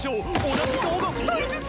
同じ顔が２人ずつ！？